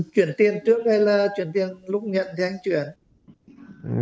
chuyển tiền trước hay là chuyển tiền lúc nhận thì anh chuyển